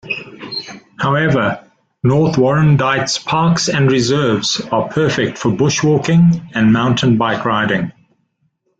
However, North Warrandyte's parks and reserves are perfect for bushwalking and mountain bike riding.